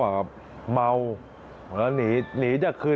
จะรับผิดชอบกับความเสียหายที่เกิดขึ้น